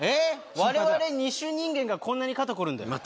我々二手人間がこんなに肩凝るんだよ